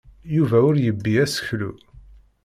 Yuba ur yebbi aseklu.